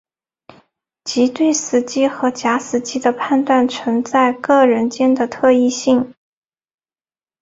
即对死机和假死机的判断存在各人间的特异性。